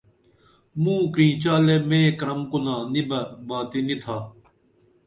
موں کرینچالے مے کرم کُنا نی بہ باتی نی تھا